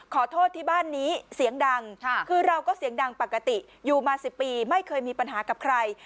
ขอโทษที่บ้านนี้เสียงดังคือเราก็เสียงดังปกติอยู่มา๑๐ปีไม่เคยมีปัญหากับใคร